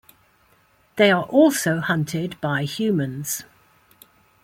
They are also hunted by humans.